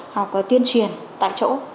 hoặc tuyên truyền tại chỗ